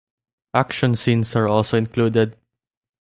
Action scenes are also included.